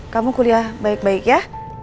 kamu kuliah baik baik ya